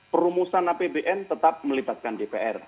perumusan apbn tetap melibatkan dpr